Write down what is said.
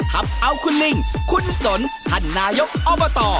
ทำเอาคุณลิงคุณสนท่านนายกอบต